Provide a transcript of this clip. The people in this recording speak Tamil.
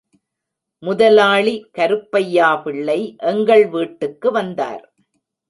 முதலாளி கருப்பையாபிள்ளை எங்கள் வீட்டுக்கு வந்தார்.